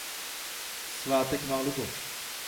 Svátek má Luboš.